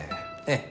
ええ。